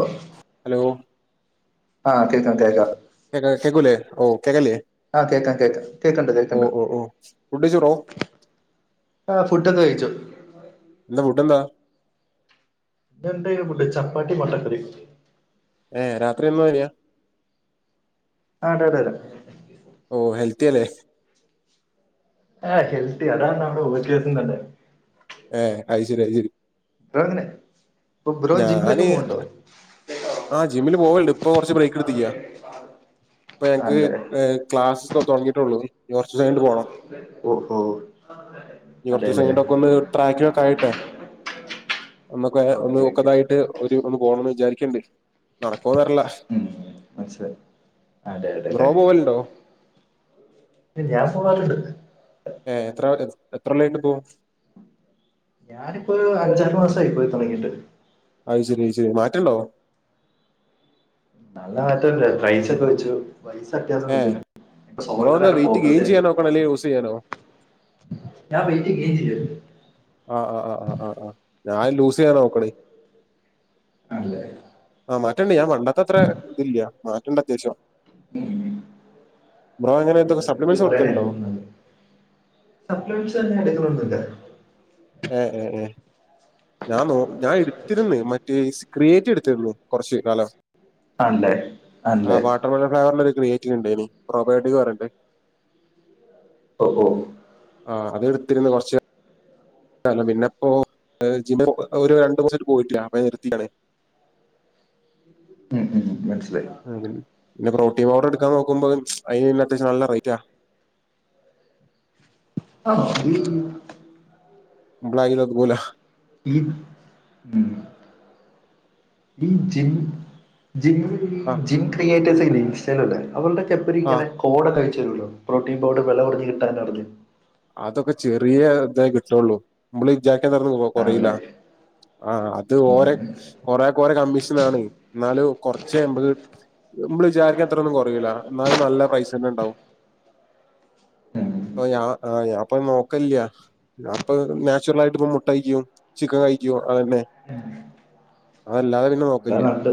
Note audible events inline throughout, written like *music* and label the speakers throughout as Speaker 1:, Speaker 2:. Speaker 1: ആ
Speaker 2: ഹലോ
Speaker 1: ആ, കേക്കാം കേക്കാം
Speaker 2: കേക്കൂലേ, ഓ കെക്കാലിയ
Speaker 1: ആഹ, കേക്കാം കേക്കാ കേക്കണ്ട് കേക്കണ്ട്
Speaker 2: ഓ ഫുഡ് കഴിച്ചോ ബ്രോ
Speaker 1: ആ ഫുഡ് ഒക്കെ കഴിച്ചു
Speaker 2: എന്താ ഫുഡ് എന്താ
Speaker 1: ഇത് എന്താ ചപ്പാത്തി മട്ട കറി യൊ..
Speaker 2: ഏ രാത്രി എന്ന വരി *unintelligible*
Speaker 1: ആ അതെ അതെ തെ..
Speaker 2: ഓ ഹെൽത്തി അല്ലേ.
Speaker 1: ആ ഹെൽത്തി അതാണ് നമ്മുടെ *unintelligible* തന്നെ..
Speaker 2: ഏ അഹ്‌ശെരി അഹ്‌ ശെരി..
Speaker 1: *unintelligible* ഇങ്ങനെ ഇപ്പോ ബ്രോ ജിമ്മിലൊക്കെ പോക്കുന്നുണ്ടോ..
Speaker 2: ആഹ് ജിമ്മിൽ പോവല്ണ്ട് ഇപ്പൊ കുറച്ച് ബ്രേക്ക് എടുത്തിക്കയാ ഇപ്പൊ ഞങ്ങക്ക്
Speaker 1: ആണല്ലേ
Speaker 2: ക്ലാസ്.. തുടങ്ങിയിട്ടുള്ളൂ.. കുറച്ച് ദിവസം കഴിഞ്ഞിട്ട് പോണം
Speaker 1: ഓഹോ.
Speaker 2: ഇനി കുറച്ച് ദിവസം
Speaker 1: അതെല്ലേ
Speaker 2: കൈഞ്ഞിട്ട് ഒക്കെ ഒന്ന് ട്രാക്കിൽ ആയിട്ടെ.. ഒന്നൊക്കെ ഒന്ന്
Speaker 1: ഓക്കെ ഓക്കെ
Speaker 2: ഒക്കെതായിട്ട് ഒരു ഒന്ന് പോണംന്ന് വിചാരിക്ക്ണ്ട്.. നടക്കൊന്നാറില്ല..
Speaker 1: ഉ മനസിലയി അതെ
Speaker 2: ബ്രോ
Speaker 1: അതെല്ലേ..
Speaker 2: പോവലുണ്ടോ
Speaker 1: പി ഞാൻ പോകാറുണ്ട്..
Speaker 2: ഏ എത്ര *unintelligible* എത്ര *unintelligible* യിണ്ട് ഇപ്പോ..
Speaker 1: ഞാനിപ്പോ ഒരു അഞ്ചാറു മാസമായി പോയി തുണങ്ങിയിട്ട്..
Speaker 2: അത് ശരി ശരി മാറ്റണ്ടോ..
Speaker 1: നല്ല മാറ്റല്ലെ പ്രൈസ ഒക്കെ വെച്ചു.. പൈസ അത്യാസം
Speaker 2: ഏ
Speaker 1: വച്ചി ഇപ്പ
Speaker 2: ബ്രോ
Speaker 1: *unintelligible*
Speaker 2: എന്താ
Speaker 1: തന്നെ
Speaker 2: വെയിറ്റ്
Speaker 1: ഫോക്കസ്സ്
Speaker 2: ഗെയിൻ
Speaker 1: ചൈത്
Speaker 2: ചെയ്യാൻ
Speaker 1: ആ..
Speaker 2: നോക്കണോ അല്ലെ ലൂസ് ചെയ്യാനോ
Speaker 1: ഞാൻ വേറ്റി. *unintelligible*
Speaker 2: ആഹ് ആ ആ ആ ആ ആഹ് ഞാൻ ലൂസ്സെയ്യാനാ നോക്കണ്.
Speaker 1: അതെ.
Speaker 2: ആഹ് മാറ്റണ്ട് ഞാൻ പണ്ടത്തത്ര തി ല്ല്യ മാറ്റണ്ട് അത്യാവശ്യം.
Speaker 1: ഉം.
Speaker 2: ബ്രോ എങ്ങനെണ്.
Speaker 1: *unintelligible* എടെ വന്നില്ല.
Speaker 2: ഏഹ് ഏഹ് ഏഹ്. ഞാ ന്നോ ഞാ ഇട്ത്തിര്ന്ന് മറ്റേ സ് ക്രിയേറ്റ് എടുത്തിരുന്നു കാർച്ച് കാലം.
Speaker 1: അണ്ടേ അല്ലേ?
Speaker 2: *unintelligible* ഫ്ളാവറിൽ ഒര് ക്രിയെറ്റിവ് ണ്ടായ്നി പ്രോബയോഡിക് പറഞ്ഞ്ട്ട്.
Speaker 1: ഓഹ് ഓഹ്.
Speaker 2: ആഹ് അതെ ട്ത്തിരുന്നു കൊർച്ച് കാ അലം പിന്നെപ്പോ ജിം ഒരു രണ്ട് മുന്ന് സായിട്ട് പോയിട്ടില്ല അപ്പ നിർത്തി ഞാനാവ്.
Speaker 1: ഉം ഉം മൻസ്സിലായി.
Speaker 2: അ പിന്നെ പ്രോട്ടീൻ പൗഡർ ഇട്ക്കാ നോക്കുമ്പോ അയ്ന് പിന്നെ അത്യാശം നല്ല റേറ്റാ.
Speaker 1: ആഹ് ഉം.
Speaker 2: ബ്ലയ്ൽ ഒതുങ്ങുലാ.
Speaker 1: ഇത് ഉം ഈ ജിം. ജിം
Speaker 2: ആഹ്
Speaker 1: ജിം ക്രിയേറ്റേഴ്സ് ഇല്ലെ ഇൻസ്റ്റെലുള്ള
Speaker 2: ആഹ്
Speaker 1: അവൾടെക്കെപ്പരിങ്ങനെ. കോട കഴിച്ചരുല്ലോ പ്രോട്ടീൻ പൗഡർ വെല കൊറഞ് കിട്ടാൻ അറിഞ്ഞു.
Speaker 2: അതൊക്കെ ചെറിയ തെ കിട്ടൊള്ളൂ നമ്മള് വിചാരിക്കണത്ര കൊ കൊറയില്ല.
Speaker 1: ആണല്ലേ
Speaker 2: ആഹ് അത് ഓരെ.
Speaker 1: ഉം.
Speaker 2: കൊറേകൊരെ കമ്മീഷനാണ് ന്നാലു കൊർചെ ഞമ്പ. നമ്മള് വിചാരിക്ക്ണത്രൊന്നും കൊറയൂല. ന്നാലും നല്ല പൈസന്നെണ്ടാവും
Speaker 1: ഉം.
Speaker 2: അപ്പൊ ഞാ. ആഹ് ഞാപ്പോ നോക്കല്ല്യ. ഞാപ്പ നാച്ചുറൽ ആയിട്ട്പ്പൊ മുട്ടയ്ക്കും ചിക്കൻ കഴിക്കും അതന്നെ. അതല്ലാതെ പിന്നെ
Speaker 1: അതാ
Speaker 2: നോക്കല്ല്യ.
Speaker 1: നല്ലത്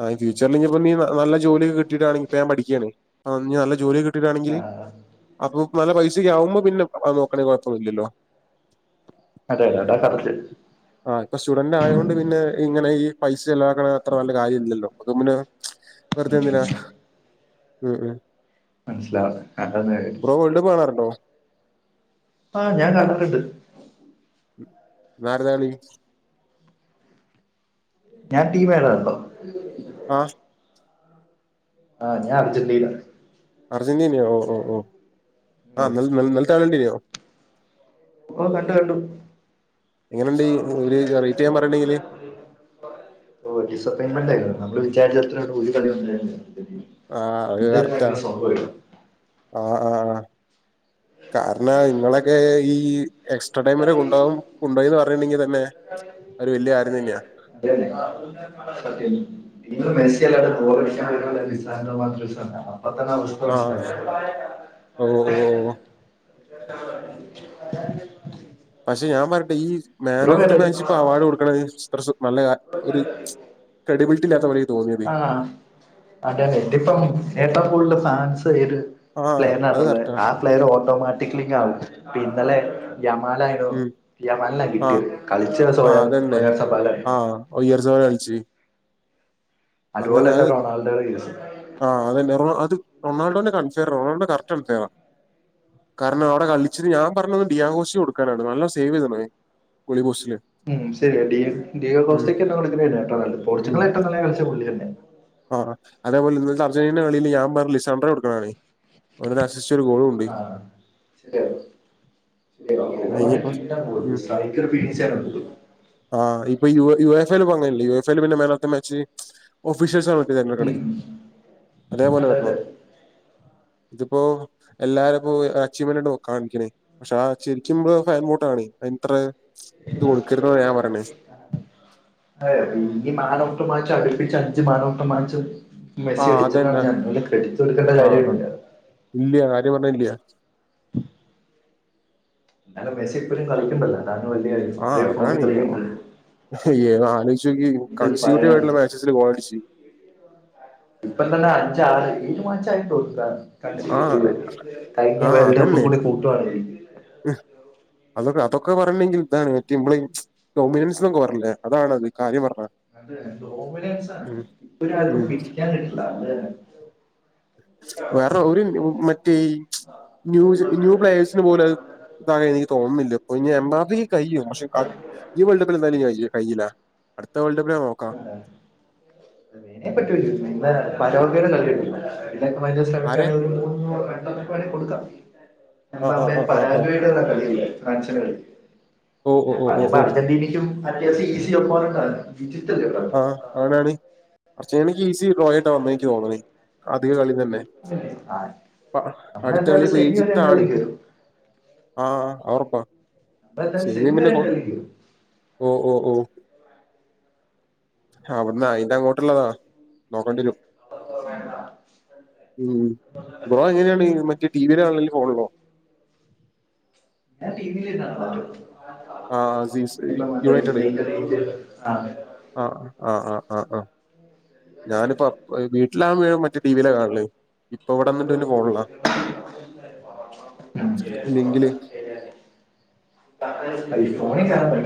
Speaker 2: ആ
Speaker 1: ഉം.
Speaker 2: ഫ്യൂച്ചർൽ ഞ് ഇപ്പൊ നീ നല്ല ജോലിക്കെ കിട്ടിട്ടാണെങ്കിൽ പ്പ ഞാ പഠിക്ക്യാണ്. അ ഞ് നല്ല ജോല്യക്കെ കിട്ടിട്ടാണെങ്കിൽ
Speaker 1: ആ.
Speaker 2: അപ്പൊ നല്ല പൈസ- ത് യാവുമ്പോ പിന്നെ അ നോക്കണേ കൊയ്പൊന്നുല്ലല്ലോ.
Speaker 1: അതെ അടാ കററ്റ്.
Speaker 2: ആഹ് പ്പൊ സ്റ്റുഡന്റ് ആയതോണ്ട് പിന്നെ ഇങ്ങനെ ഈ പൈസെ ലവാക്കണെ അത്ര നല്ല കാര്യം ഇല്ലല്ലോ അപ്പൊ പിന്നെ. വെർതെ ന്തിനാ ഉം ഉം.
Speaker 1: മനസ്സിലാവും അതാണ്
Speaker 2: ബ്രോ വേൾഡപ്പ് കാണാറുണ്ടോ?
Speaker 1: ആഹ് ഞാ കണ്ട്ട്ട്ണ്ട്.
Speaker 2: ന്നാര്ത കളി?
Speaker 1: ഞാ ടീമ *unintelligible* ണ്ടോ. ഉം.
Speaker 2: ആഹ്.
Speaker 1: ആഹ് ഞാ അർജന്റീന.
Speaker 2: അർജന്റീന്യോ ഓഹ് ഓഹ് ഓഹ്
Speaker 1: ഓ
Speaker 2: ആ ന്നെൽ ന്നെൽത്തെ കള്യണ്ടിന്യോ?
Speaker 1: ഓ കണ്ടു കണ്ടു
Speaker 2: എങ്ങനണ്ട് ഒരു റേറ്റ് ഞാ പറിണ്ടെങ്കില്.
Speaker 1: ഓ ഡിസപ്പയിൻമെന്റായിരുന്നു നമ്മൾ വിചാരിച്ചത്രണ്ട് ഒരു കളി. *unintelligible*
Speaker 2: ആഹ് അ്
Speaker 1: ഇന്ത്യ
Speaker 2: കറക്റ്റ
Speaker 1: ഭയങ്കര സംഭവമായിരുന്നു
Speaker 2: ആഹ് ആഹ്. കാരണ ഇങ്ങളൊക്കെ ഈ എക്സ്ട്രാ ടൈം വരെ കൊണ്ടോവും. കൊണ്ടോയിന്ന് പർഞ്ട്ണ്ടെങ്കി തന്നെ ഒരു വല്ല്യ കാര്യം തന്നെയാ.
Speaker 1: *unintelligible* അ. ഇ മെസ്സ്യല്ല ഗോളടിക്ക വിരണ മാത്ര *unintelligible* മറ്റന്നാ ഉഷ്കമസ്
Speaker 2: ഒ ഒ ഓ
Speaker 1: *unintelligible*
Speaker 2: പക്ഷെ ഞാൻ പറയട്ടെ ഈ മാൻ
Speaker 1: ബ്രോ
Speaker 2: ഓഫ് ദ
Speaker 1: കണ്ടിട്ടുണ്ടോ
Speaker 2: മാച്ച് ഇപ്പൊ അവാർഡ് കൊടുക്കണത് അത്ര നല്ല ഒരു ക്രഡിബിലിറ്റി ഇല്ലാത്തപോലെ
Speaker 1: ആഹ് അതെ അതെ ഇതിപ്പം ഏറ്റവും കൂടുതല് ഫാൻസ്ര്
Speaker 2: ആഹ് അത്
Speaker 1: പ്ലെയറിനാടത്തൊള്ള
Speaker 2: കറക്റ്റാ
Speaker 1: ആ പ്ലെയർ ഓട്ടോമാറ്റക്ലി ആകും പിന്നലെ യമാലായിടോ
Speaker 2: ഉം
Speaker 1: യമാൽനാ
Speaker 2: ആഹ്
Speaker 1: കിട്ടിയത് കളിച്ച് സ്വയം സ്വയം സപ്പാലായി
Speaker 2: ഓ യാർ സെവൻ കളിച്
Speaker 1: അതുപോല തന്നെ റൊണാൾഡോട കേസ്
Speaker 2: ആ അതന്നെ അത് റൊണാൾഡോന കാണിച്ച റൊണാൾഡോ കറക്റ്റ് കൺ പ്ലെയെറാ കാരണം അവ്ടെ കളിച്ചത് ഞാൻ പറഞ്ഞത് ഡിയാഘോഷി കൊടു ക്കാനാണ് നല്ല സേവ് ചെയ്ത്ണെ ഗൊളി പോസ്റ്റില്
Speaker 1: ഉം ശരിയാ ടി യോ
Speaker 2: ഉം
Speaker 1: കോസ്റ്റക്ക് എല്ലാം കൊടുക്കുന്നാരുന്നു ട്ടോ നല്ലത് പോർച്ചുകല് ഏറ്റവും നല്ല കളിച്ചെ പുള്ളി എന്നെയാ
Speaker 2: ആ അതേപോലിന്നത്തെ അർജന്റീന കളിയില് ഞാൻ പറഞ് ലിസൻഡ്രോ കൊടുക്കണ കളീ ഒരു നശിച്ച ഒരു ഗോളുണ്ട്
Speaker 1: ആഹ് ശെരിയ
Speaker 2: അതിനിപ്പോ ഉം
Speaker 1: *unintelligible* സൈക്കറ് പിടിച്ചാൽ പൊട്ടും
Speaker 2: ആഹ് ഇപ്പ യൂ യു എഫ് എൽ പോങ്ങയില്ലേ യു എഫ് എൽ പിന്നെ മാനോഫ് ദി മാച്ച് ഓഫീഷ്യൽസാണെ
Speaker 1: ഉം
Speaker 2: *unintelligible* അതെപോലെ
Speaker 1: അതെ അതെ
Speaker 2: വെർണം ഇതിപ്പോ എല്ലാരുപ്പോ അച്ചീവ്മെന്റായിട്ടാ കാണിക്കണേ പക്ഷാ ശരിക്കു ബ്രോ ഫാൻ ബോട്ടാണ് അയ്നിത്ര
Speaker 1: *unintelligible* അതെ ഈ മാനോഫ് ദി മാച്ച് അടുപ്പിച്ച് അഞ്ച് മാനോഫ് ദി മാച്ച് മെസ്സി
Speaker 2: ആഹ്
Speaker 1: അടിച്ചിട്ടാണ്
Speaker 2: അതന്നെ
Speaker 1: ഞാൻ നല്ല ക്രഡിറ്റ് കൊടുക്കണ്ട കാര്യില്ല
Speaker 2: ഇല്യ ആരു പറഞ്ഞാ ഇല്യാ
Speaker 1: എന്നാലും മെസ്സി ഇപ്പൊഴും കളിക്ക്ണ്ടല്ലോ അതാണ് വല്യ കാര്യം
Speaker 2: ആ
Speaker 1: ഇത്രയും ഫോമിൽ
Speaker 2: അതാണ്
Speaker 1: കളിക്കണ്ട്
Speaker 2: ഏഹ് അലോയ്ചോക്കിയേ
Speaker 1: ഇത്
Speaker 2: കൺസ്യൂട്ടീവ്വ്
Speaker 1: പറയാ
Speaker 2: ആയിട്ടുള്ള മാച്ചസ് ഇത്രേ ഗോളടിച്ച്
Speaker 1: ഇപ്പം തന്നെ അഞ്ചാറ് മിനിമംഅച്ചായിന്ന് തോന്ന്ട്ട
Speaker 2: ആഹ്
Speaker 1: *unintelligible* കഴിഞ്ഞ വേൾഡ് കപ്പ് കൂടി കൂട്ടുവാണെങ്കിൽ
Speaker 2: ഹ് അതൊക്ക അതൊക്കെ പറയ്മെങ്കിൽ ഇതാണ് റ്റിബ്ലൈൻ ഡൊമിനൻസും സ്കോറല്ലേ അതാണത് കാര്യം പർഞാ
Speaker 1: അത് എന്തോ ഡോമിനൻസാണ് ഇപ്പരാരും
Speaker 2: ഉം
Speaker 1: പിടിക്കാൻ കിട്ടില്ല
Speaker 2: *unintelligible* വേറെ ഒരുൻ ഉം മറ്റേയ് ശ് ന്യൂജൻ ന്യൂപ്ലയേഴസിന് പോലെഅത് ഇതങ്ങനെ എനിക്ക് തോന്ന്ന്നില്ല ഇപ്പൊ ഇഞ്ഞ് എംബാബക്ക് കഴിയും പക്ഷെ കർ ഈ വേൾഡ് കപ്പിലെന്തായാലുംഇഞ്ഞ് കയു കയ്യില്ല അടുത്ത വേൾഡ് കപ്പിന്‌ നോക്കാം
Speaker 1: *inaudible* എല്ലാ ചെക്കമ്മാരും
Speaker 2: ആരെ
Speaker 1: ശ്രമിക്കാണങ്കില് *unintelligible* കൊട്ക്കാ
Speaker 2: ആഹ് ആഹ്
Speaker 1: എമ്പാപ്പയെ
Speaker 2: ആഹ് ആഹ് ആഹ്
Speaker 1: പരാജയ വിട്ട്ള്ള കളിയില്ല ഫ്രാൻസിന്റെ കളി
Speaker 2: ഓ ഓ ഓ ഓ
Speaker 1: പറിമ്പൊ
Speaker 2: ഓ
Speaker 1: അർജന്റീനയ്ക്കും മറ്റേ സീസി അപ്പോണ്ട ഡിജിറ്റല്ലേ ഇപ്പോ
Speaker 2: ആഹ് ആണ് ആണ് കൊറച്ചേണ്ങ്കി ഈസി ട്രോയിടോമെ ഇക്ക്തോന്ന്ണേ അത് കളി *unintelligible* നെ
Speaker 1: അല്ലേ? ആ
Speaker 2: പ അട്ത്ത
Speaker 1: നമ്മളെന്തായാലും
Speaker 2: കളിപ്പ
Speaker 1: സെമി വരെ
Speaker 2: ഈജിപ്താണ്
Speaker 1: എന്തായാലും കയറും
Speaker 2: ആ അവൊർപ്പാ
Speaker 1: നമ്മളെന്തായാലും
Speaker 2: സേമിയൻ
Speaker 1: സെമി
Speaker 2: പിന്നെ
Speaker 1: വരെ
Speaker 2: കൊറ
Speaker 1: എന്തായാലും കയറും
Speaker 2: ഓ ഓ ഓ അവ്ട്ന്ന് അയിന്റെ അങ്ങോട്ട്ള്ളതാ നോക്കേണ്ടിവരും
Speaker 1: അപ്പപ്പൊവേണ്ട
Speaker 2: ഉം ബ്രോ എങ്ങനെയാണ് മറ്റേ ടി വിലാണ്ല് ഫോണ്ലോ
Speaker 1: ഞാൻ ടീവിലിരുന്നാ കാണല്
Speaker 2: ആഹ് സീസ്
Speaker 1: *inaudible* ഇപ്പ മറ്റേ
Speaker 2: United
Speaker 1: സ്പൈൻന്റെ *inaudible*
Speaker 2: ah ah ah ah ah ah ഞാന്പ്പോ A വീട്ടിലാകുമ മറ്റേ ടീവീലാകാണ്ല് ലിങ്കില്
Speaker 1: *unintelligible* അയ് ഫോണികേറാൻ *unintelligible*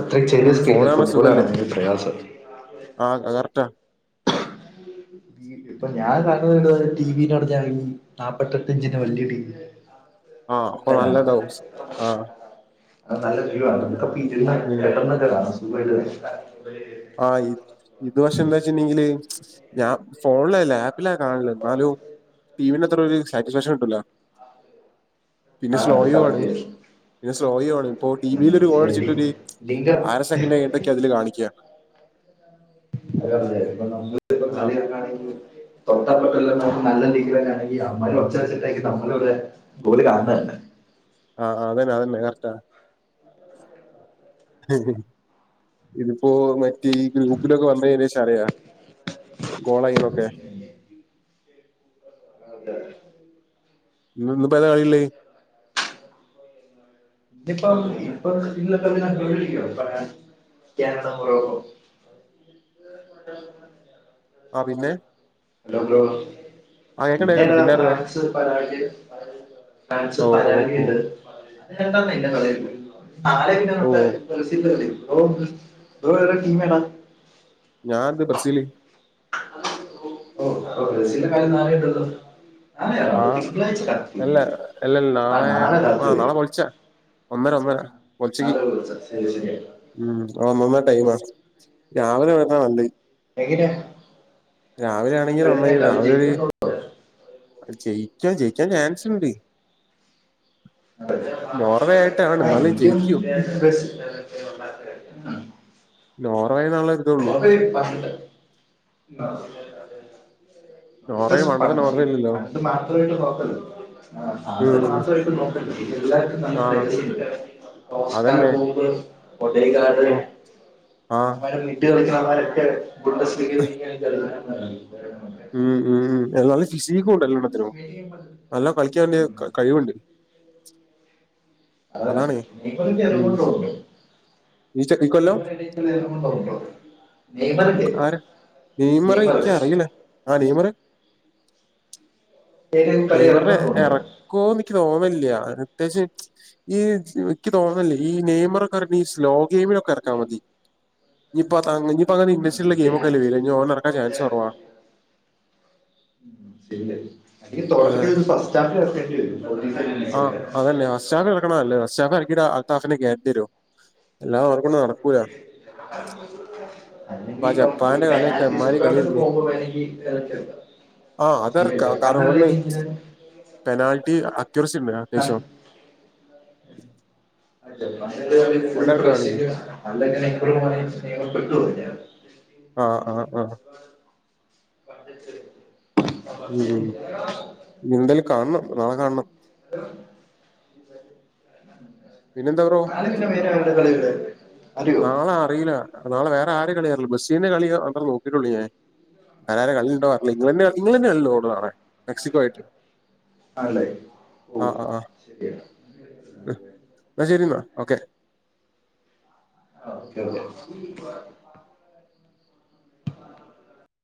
Speaker 1: അത്രയും
Speaker 2: ഉം
Speaker 1: ചെിയ
Speaker 2: ഫോണ്
Speaker 1: സ്ക്രീനില്
Speaker 2: കാണാൻ
Speaker 1: ഫുട്ബോളാണാൻ
Speaker 2: സുഖല്ലേ
Speaker 1: ഭയങ്കരപ്രയാസാ
Speaker 2: ആഹ് അത് കറക്റ്റാ
Speaker 1: വീ ഇപ്പൊ ഞാൻ കണ്നത് ഇവിടെ ടി വിന്ന് പറഞ്ഞാല് നാപ്പത്തെട്ട്ഞ്ചിന്റെ വല്യ ടി വി
Speaker 2: ആഹ് അപ്പൊ നല്ലതാവും ശ് ആഹ്
Speaker 1: അ നല്ല വ്യൂ ആണ്
Speaker 2: ഉം
Speaker 1: എടക്ക് ഇരുന്ന്
Speaker 2: ഉം
Speaker 1: കെടന്നൊക്കെ കാണും സഖായിട്ട് കാണും
Speaker 2: ആയിറ്റ് ഇതുവക്ഷെ എന്താച്ച്ട്ട്ണ്ട്ങ്കില് ഞാംഫോണ്ലല്ല ആപ്പിലാ കാണ്ല് ഇന്നാലും ടീമന് അത്ര ഒര് സാറ്റിസ്ഫാക്ഷൻ കിട്ടൂല പിന്നെ
Speaker 1: ആഹ് അത്
Speaker 2: സ്ലോയുആണ് പിന്നെ സ്ലോയുആണ് ഇപ്പോ ടി വീ ലൊരു ഗോൾ
Speaker 1: കറക്റ്റ്
Speaker 2: അടിച്ചിട്ട് ഒര്
Speaker 1: ലിംഗം
Speaker 2: അര സെക്കൻഡൈഞിടക്കെ അതില് കാണിക്ക്യാ
Speaker 1: അല്ല പിന്നെ ഇപ്പം നമ്മള് ഇപ്പം
Speaker 2: ആഹ്
Speaker 1: കളിയാക്കാണെങ്കില് തൊട്ടപ്പർത്ത്ള്ള മൻ നല്ല രീയിയിലന്നാണെങ്കി അമ്മായി ഒച്ചവെച്ചിട്ടായിരിക്കും നമ്മളവ്‌രെ ഓല് കാൺണന്നെ.
Speaker 2: ആഹ് ആഹ് അതെന്നെ അതന്നെ കററ്റാ. ഇതിപ്പോ മെ ഈ ഗ്രൂപ്പിലൊക്കെ വന്നെഴിയിന് ശേഷം അറിയാ കോളയിനൊക്കെ
Speaker 1: ആഹ് ഉണ്ട്
Speaker 2: ഇന്ന് ഇന്നിപ്പതാ കളില്ലേ
Speaker 1: ഇപ്പം ഇപ്പം ഇന്നത്ത കളി ഞാൻ ഗോളടിക്കോ പറയാൻ കാനഡ, മൊറോക്കോ
Speaker 2: ആ പിന്നെ.
Speaker 1: Hello bro.
Speaker 2: ആഹ് കേക്കണ്ട് കേക്കണ്ട്
Speaker 1: പിന്നേതാ
Speaker 2: പിന്നാരതാ
Speaker 1: ഫ്രാൻസ് പരാഗ് ഫ്രാൻസ്
Speaker 2: ഓ ഓ ഓ
Speaker 1: പരാഗിയിണ്ട് *unintelligible* ഇല്ല കളികളിക്കുമ്പോ നാളെ പിന്ന
Speaker 2: ഓ
Speaker 1: വേ ബ്രസീൽ ബ്രസീൽ ഓ ബ്രോടെ ടീമേതാ
Speaker 2: ഞാത് ബ്രസീല്.
Speaker 1: ഓ അപ്പോ ബ്രസീല്ന്റെ കളിന്നല്ലേ ഇടോള്ളൂ
Speaker 2: ആഹ് അല്ല അല്ലൽ
Speaker 1: ആ
Speaker 2: നാളെ ആ
Speaker 1: രാത്രി
Speaker 2: നാളെ
Speaker 1: വരും
Speaker 2: പൊൽച്ച. ഒന്നര ഒന്നര പൊൽച്ച്ക്ക്.
Speaker 1: നാളെ വിളിച്ചാ ശരി ശരി
Speaker 2: ഉം ഒന്നാരാ ടൈമ രാവിലെ വര്ണ നല്ലത്
Speaker 1: എങ്ങനെയാ
Speaker 2: രാവിലാണെങ്കി
Speaker 1: എങ്ങനെയാ
Speaker 2: നന്നായിന്
Speaker 1: കളി
Speaker 2: രാവിലൊരു
Speaker 1: ജയിക്കുമെന്നോ
Speaker 2: ജയിക്ക്യ ജയിക്ക്യാൻ ചാൻസുണ്ട്.
Speaker 1: ആ എനിക്കും
Speaker 2: ജയിക്കൂ
Speaker 1: ബ്രസീൽ
Speaker 2: നോർവേന്നുള്ളത്
Speaker 1: ഓഹേ പണ്ട്
Speaker 2: നോർവേ
Speaker 1: അത്യാവിശം
Speaker 2: പണ്ടത്തെ
Speaker 1: പട്
Speaker 2: നോർവേ അല്ലല്ലോ
Speaker 1: അത് മാത്രമായിട്ട് നോക്കല്ലോ ആ അത്
Speaker 2: ഉം
Speaker 1: മാത്രായിട്ട് നോക്കല്ല് ഇ എല്ലാർക്കും നല്ല
Speaker 2: ആഹ്
Speaker 1: സൈണ്ട്സ്ണ്ട് ഓസ്കാർ
Speaker 2: അതന്നെ
Speaker 1: പോപ്പ് കൊടേ കാട്
Speaker 2: ഓ ആഹ്
Speaker 1: കുത്തിരുന്നു കളിക്കുന്നവൻമാരൊക്കെ ഗുഡ സ്തീക്ക്‌ നീരു
Speaker 2: ഉം ഉം ഉ എല്ലാർക്കും ഫിസീക്കുണ്ടല്ലോടാത്തിനും നല്ലാ കളിക്കാന് കഴിവുണ്ട്
Speaker 1: അതാ
Speaker 2: അതാണ്
Speaker 1: ഇപ്പൊന്നും
Speaker 2: ഉം
Speaker 1: *unintelligible* തോന്നോ
Speaker 2: ഈ ചെക്കൻ കൊ
Speaker 1: നെയ്മ കൊണ്ടോവുട്ടോ നെയ്മറല്ലേ
Speaker 2: ആരാ
Speaker 1: നെയ്മറ്
Speaker 2: ഇക്ക് അറിയില്ല ആ നെയ്മറ്
Speaker 1: ഏതെങ്കിലും കളി
Speaker 2: നെയ്മറിനെ
Speaker 1: ഇറങ്ങും
Speaker 2: എറ ക്കൊ ന്നിക്ക് തോന്ന്ല്ല്യ *unintelligible* പ്രേത്യേച്ച് ഈ ഇക്ക് തോന്ന്ല്ലേ ഈ നെയ്മറൊക്കെ എറ ഈ സ്ലോ ഗെയിമിലൊക്കെ എറക്കാ മതി ഇഞ്പ്പതാങ് ഇഞ്പ്പ അങ്ങനെ ഇൻവെസ്സില്ലെ ഗെയിമൊക്കെല്ലെ
Speaker 1: കൊണ്ടുണ്ടോ
Speaker 2: വേരാ ഇഞ്പ്പൊ ഓനറക്കാൻ ചാൻസ് കൊറവാ
Speaker 1: ശരിയ
Speaker 2: ഏഹ്
Speaker 1: *unintelligible* ഫസ്റ്റ് ഹാഫിന് അറക്കേണ്ടി വെരും തോറ്റിട്ടിലെങ്കി
Speaker 2: ആഹ് അതന്നെ അഷാദ് ക്ക്ണല്ലേ പക്ഷെ അതായിരിക്കുല അൽത്താഫിനെ കേറ്റണ്ടിയെരും അല്ലാതെ ഓനെക്കൊണ്ട് നടക്കൂല
Speaker 1: അല്ലെങ്കി
Speaker 2: ഇപ്പൊ ആ
Speaker 1: ഇപ്പം ഒരു
Speaker 2: ജപ്പാന്റെ കളിയൊക്കെ
Speaker 1: പെനാൽറ്റി
Speaker 2: എമ്മാരി
Speaker 1: ഷൂട്ടൗട്ട്‌ ഒക്കെ പോകുമ്പോ *unintelligible*
Speaker 2: ആഹ് അതർക്കാം കാരണം ഓന്ന് പെനാൽറ്റി അക്ക്യൂറസി ഉണ്ട്
Speaker 1: ന-
Speaker 2: അത്യാവശ്യം
Speaker 1: പണ്ടത്തെ കളി ഫുൾ ബ്രസീൽ
Speaker 2: അതിറക്കാണെങ്കിൽ
Speaker 1: അല്ലെങ്കി ഇപ്പൊ ഓനെ സ്നേഹം കിട്ടൂല
Speaker 2: ആഹ് ആഹ് ആഹ്
Speaker 1: *unintelligible*
Speaker 2: ഉം ന്തായലും കാണണം നാളെ കാണണം പിന്നെന്താ ബ്രോ
Speaker 1: നാള പിന്നെ വേറ ആരുടെ കളികള്? അറിയോ
Speaker 2: നാളെ അറീല നാളെ വേറെ ആരെ കളിയാറീല ബ്രസീൽനെ കളിയൊ അത്രേ നോക്കിട്ടൊള്ളൂ ഞാൻ ആരാര കളി ണ്ടോ അർളി ഇങ്ങളെന്നെ ഇങ്ങളെന്നേണ് *unintelligible* മെക്സിക്കോയിറ്റ്
Speaker 1: ആണ്ലെ ഓഹ് ശെരിയ
Speaker 2: ഇന്നാ ശരി ഇന്നാ ഓക്കെ
Speaker 1: ആ ഓക്കേ ഓക്കേ *inaudible* *inaudible*